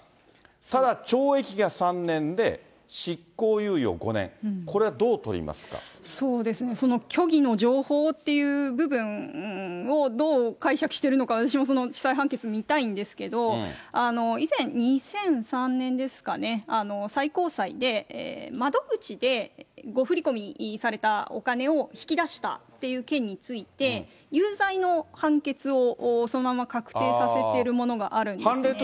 ただ懲役が３年で執行猶予５年、そうですね、その虚偽の情報っていう部分をどう解釈してるのか、私もその地裁判決見たいんですけど、以前、２００３年ですかね、最高裁で、窓口で、誤振り込みされたお金を引き出したっていう件について、有罪の判決をそのまま確定させてるものがあるんですね。